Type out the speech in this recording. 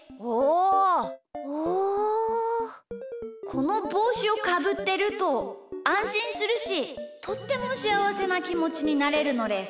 このぼうしをかぶってるとあんしんするしとってもしあわせなきもちになれるのです。